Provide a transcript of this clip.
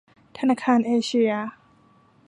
ธนาคารเอเชีย